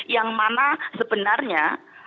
yang mana sebenarnya